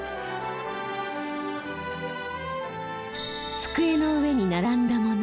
机の上に並んだ物。